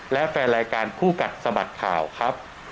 และแฟนรายการคู่กัดสะบัดข่าวครับ